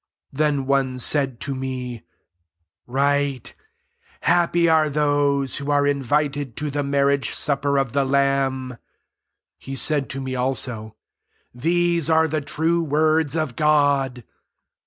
9 Then one said to me, " Write ; Happy are those who are invited to the marriage supper of the lamb." He said to me also, ^* These ar^ the true words of God."